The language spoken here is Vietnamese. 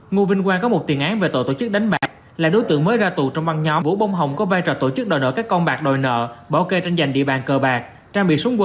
ngô vinh quang có một tiền án về tội tổ chức đánh bạc là đối tượng mới ra tù trong băng nhóm